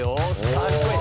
かっこいい！